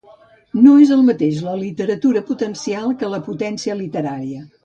No és el mateix la literatura potencial que la potència literària.